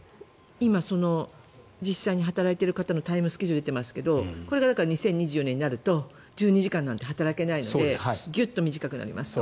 今、実際に働いている方のタイムスケジュールが出ていますがこれが２０２４年になると１２時間なんて働けないのでギュッと短くなります。